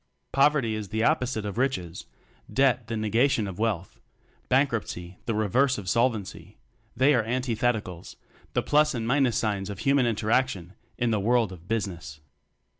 Poverty is the opposite of riches; debt the negation of wealth; bank ruptcy the reverse of solvency; they are antithetical the plus and minus signs of human interaction in the world of "Business."